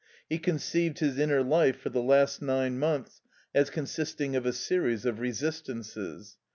He conceived his inner life for the last nine months as consisting of a series of resistances.